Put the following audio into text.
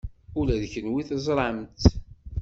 Ula d kenwi teẓram-tt.